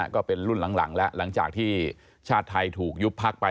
ก็เป็นรุ่นหลังแล้วหลังจากที่ชาติไทยถูกยุบพักไป